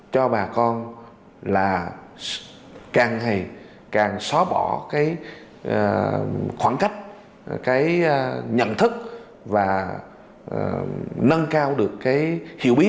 cơ dung đã được chú ý